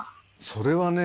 それはね